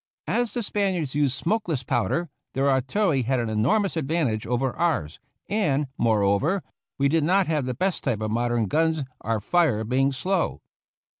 As the Spaniards used smokeless powder, their artil lery had an enormous advantage over ours, and, moreover, we did not have the best type of mod ern guns, our fire being slow.